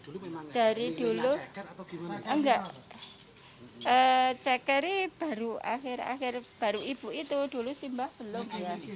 dulu memang dari dulu enggak ceker baru akhir akhir baru ibu itu dulu sih mbak belum